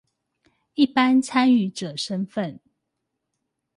一般參與者身分